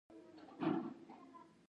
رسوب د افغانستان د بڼوالۍ برخه ده.